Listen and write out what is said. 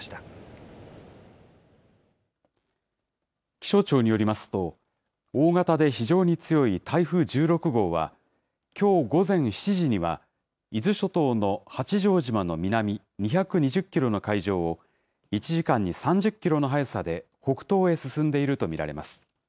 気象庁によりますと、大型で非常に強い台風１６号は、きょう午前７時には伊豆諸島の八丈島の南２２０キロの海上を、１時間に３０キロの速さで北東へ進んでいると見られます。